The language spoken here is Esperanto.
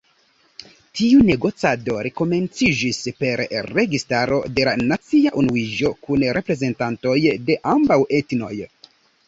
Tiu negocado rekomenciĝis per registaro de la nacia unuiĝo kun reprezentantoj de ambaŭ etnoj.